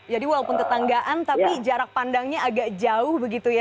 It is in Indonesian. jadi walaupun tetanggaan tapi jarak pandangnya agak jauh begitu ya